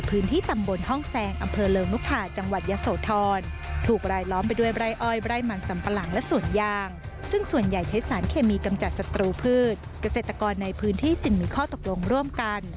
พื้นที่จึงมีข้อตกลงร่วมกัน